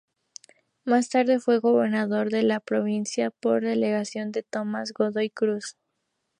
Más tarde fue gobernador de la provincia por delegación de Tomás Godoy Cruz.